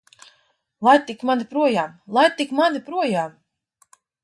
Laid tik mani projām! Laid tik mani projām!